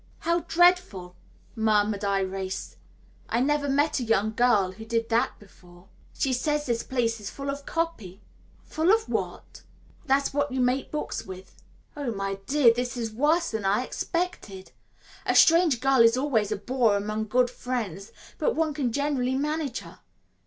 "How dreadful!" murmured Irais. "I never met a young girl who did that before." "She says this place is full of copy." "Full of what?" "That's what you make books with." "Oh, my dear, this is worse than I expected! A strange girl is always a bore among good friends, but one can generally manage her.